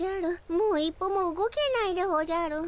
もう一歩も動けないでおじゃる。